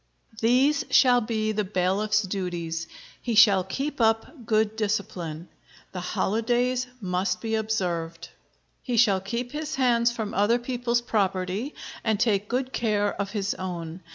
] These shall be the bailiff's duties. He shall keep up good discipline. The holidays must be observed. He shall keep his hands from other people's property, and take good care of his own.